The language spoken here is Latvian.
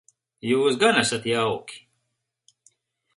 Jūs gan esat jauki.